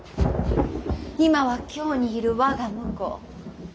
今は京にいる我が婿。